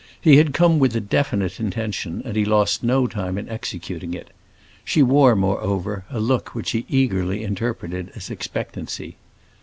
He had come with a definite intention, and he lost no time in executing it. She wore, moreover, a look which he eagerly interpreted as expectancy.